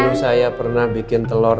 dulu saya pernah bikin telur